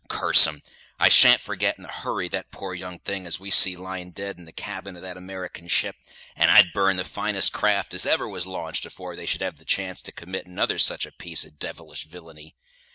Curse 'em! I shan't forget in a hurry that poor young thing as we see lying dead in the cabin of that American ship; and I'd burn the finest craft as ever was launched, afore they should have the chance to commit another sich a piece of devilish villainy.